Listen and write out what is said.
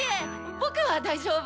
僕は大丈夫！